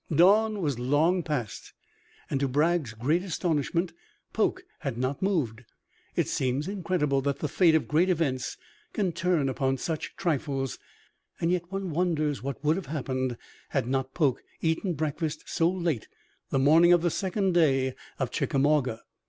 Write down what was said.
Dawn was long past, and to Bragg's great astonishment Polk had not moved. It seems incredible that the fate of great events can turn upon such trifles, and yet one wonders what would have happened had not Polk eaten breakfast so late the morning of the second day of Chickamauga.